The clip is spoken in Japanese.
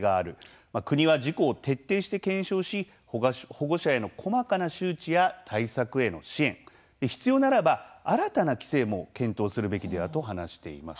国は事故を徹底して検証し保護者への細かな周知や対策への支援必要ならば新たな規制も検討するべきではと話しています。